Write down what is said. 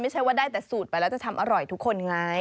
ไม่ใช่ว่าได้แต่สูตรไปแล้วจะทำอร่อยทุกคนไง